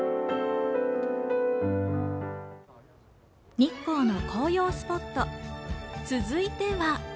日光の紅葉スポット、続いては。